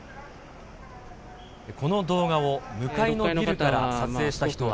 この動画を向かいのビルから撮影した人は。